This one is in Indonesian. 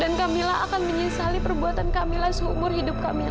dan kamila akan menyesali perbuatan kamila seumur hidup kamila